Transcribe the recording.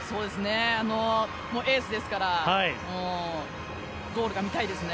エースですからゴールが見たいですね。